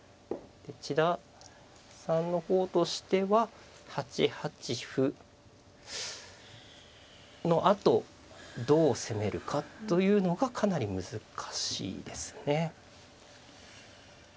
千田さんの方としては８八歩の後どう攻めるかというのがかなり難しいですね。